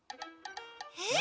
えっ？